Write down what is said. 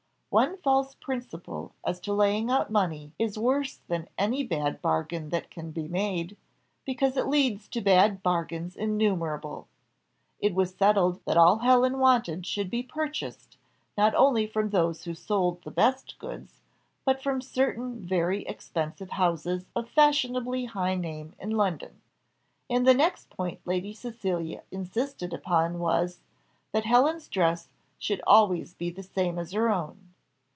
One false principle as to laying out money is worse than any bad bargain that can be made, because it leads to bad bargains innumerable. It was settled that all Helen wanted should be purchased, not only from those who sold the best goods, but from certain very expensive houses of fashionably high name in London. And the next point Lady Cecilia insisted upon was, that Helen's dress should always be the same as her own.